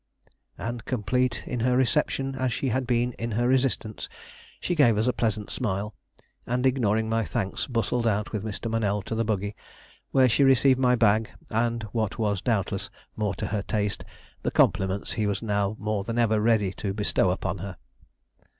And, complete in her reception as she had been in her resistance, she gave us a pleasant smile, and, ignoring my thanks, bustled out with Mr. Monell to the buggy, where she received my bag and what was, doubtless, more to her taste, the compliments he was now more than ever ready to bestow upon her.